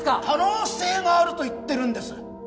可能性があると言ってるんです！